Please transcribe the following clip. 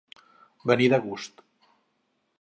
Venir de gust.